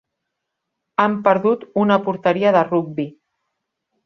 Han perdut una porteria de rugbi.